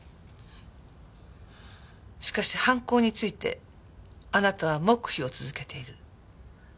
しかし犯行についてあなたは黙秘を続けている。